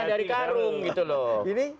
dari karung gitu loh